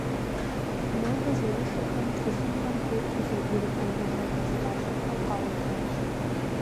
Нобэ зэрышэхэм тхылъымпӏэм тету зэгурыӏуэныгъэ зэращӏылӏэу къаублащ.